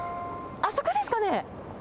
あそこですかね。